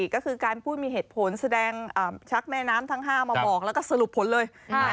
ก็คือการพูดมีเหตุผลแสดงชักแม่น้ำทั้ง๕มาบอกแล้วก็สรุปผลเลย